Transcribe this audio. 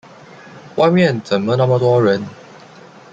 外面怎么那么多人？